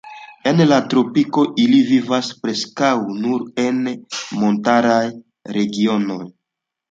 En la tropikoj ili vivas preskaŭ nur en montaraj regionoj.